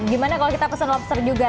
gimana kalau kita pesen lobster juga